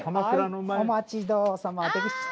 お待ち遠さまでした。